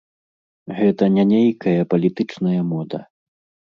Гэта не нейкая палітычная мода.